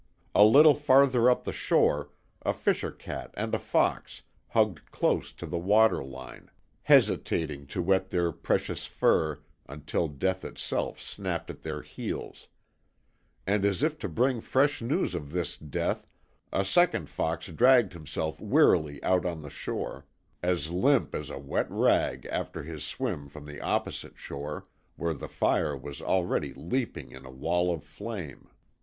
A little farther up the shore a fisher cat and a fox hugged close to the water line, hesitating to wet their precious fur until death itself snapped at their heels; and as if to bring fresh news of this death a second fox dragged himself wearily out on the shore, as limp as a wet rag after his swim from the opposite shore, where the fire was already leaping in a wall of flame.